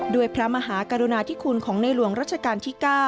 พระมหากรุณาธิคุณของในหลวงรัชกาลที่๙